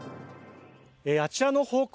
あちらの方向